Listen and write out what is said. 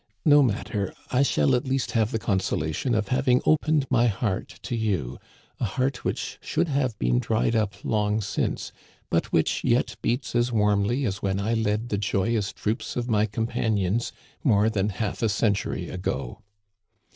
No matter, 1 shall at least have the consolation of having opened my heart to you, a heart which should have been dried up long since, but which yet beats as warmly as when I led the joyous troops of my companions more than half a century ago.